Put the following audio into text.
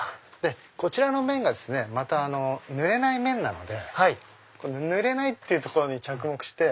こちらの面がまた濡れない面なので濡れないってところに着目して。